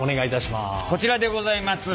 こちらでございます。